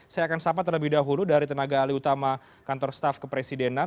saya akan sapa terlebih dahulu dari tenaga alih utama kantor staff kepresidenan